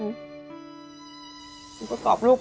ก็ตอบลูกไปตรงว่าไม่หาคนเดียว